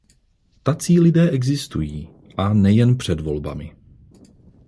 Tací lidé existují, a nejen před volbami.